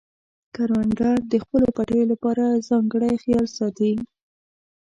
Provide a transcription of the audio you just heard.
کروندګر د خپلو پټیو لپاره ځانګړی خیال ساتي